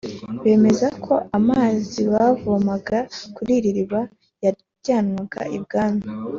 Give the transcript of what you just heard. bemeza ko amazi yavomwaga kuri iri riba yajyanwaga i bwami